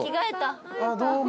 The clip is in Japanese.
どうも。